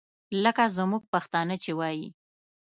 لکه زموږ پښتانه چې وایي.